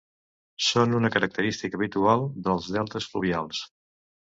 Són una característica habitual dels deltes fluvials.